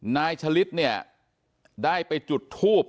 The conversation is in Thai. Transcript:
ฉลิดเนี่ยได้ไปจุดทูบ